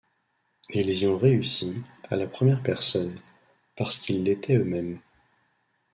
Et ils y ont réussi, à la première personne... Parce qu'ils l'étaient eux-mêmes.